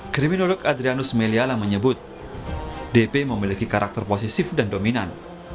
kriminolog adrianus meliala menyebut dp memiliki karakter positif dan dominan